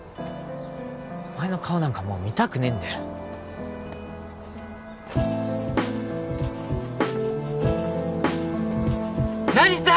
お前の顔なんかもう見たくねえんだよ成田！